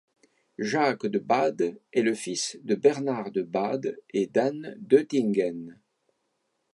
Jacques de Bade est le fils de Bernard de Bade et d’Anne d'Oettingen.